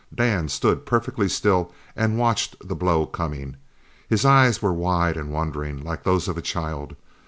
Dan stood perfectly still and watched the blow coming. His eyes were wide and wondering, like those of a child.